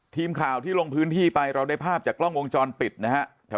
ทีมข่าวที่ลงพื้นที่ไปเราได้ภาพจากกล้องวงจรปิดนะฮะ